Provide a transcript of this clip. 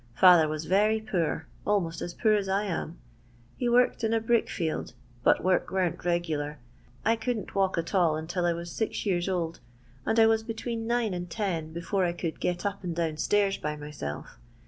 Father was very poor, almost as poor as I am. He worked in a brick field, but work weren't regular. I couldn't walk at all until I was six years old, and I was between nine and ten before* I could get up and down stairs by myself.